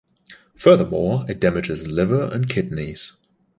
Furthermore it damages liver and kidneys.